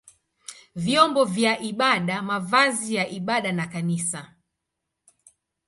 vyombo vya ibada, mavazi ya ibada na kanisa.